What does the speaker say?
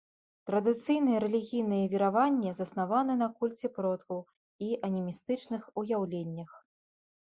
Традыцыйныя рэлігійныя вераванні заснаваны на кульце продкаў і анімістычных уяўленнях.